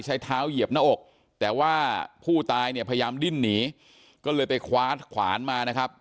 ใช้เท้าเหยียบหน้าอกแต่ว่าผู้ตายเนี่ยพยายามดิ้นหนีก็เลยไปคว้าขวานมานะครับ